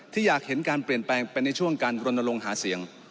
ที่อยากเห็นการเปลี่ยนแปลงเป็นในช่วงการรณรงค์หาเสียง